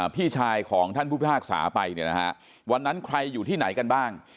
พี่ชายของท่านผู้พิพากษาไปเนี่ยนะฮะวันนั้นใครอยู่ที่ไหนกันบ้าง